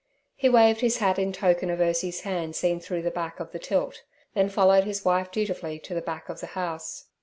He waved his hat in token of Ursie's hand seen through the back of the tilt, then followed his wife dutifully to the back of the house.